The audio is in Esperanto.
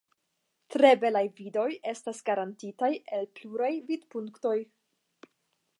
Tre belaj vidoj estas garantitaj el pluraj vidpunktoj.